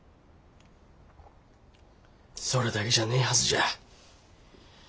それだけじゃねえはずじゃ。